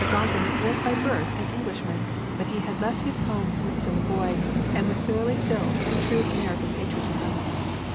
Gompers was by birth an Englishman, but he had left his home when still a boy and was thoroughly filled with true American patriotism.